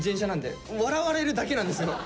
笑われるだけなんですよ。